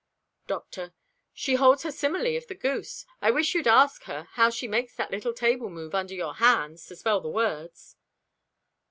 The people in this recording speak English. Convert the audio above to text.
Doctor.—"She holds to her simile of the goose. I wish you'd ask her how she makes that little table move under your hands to spell the words."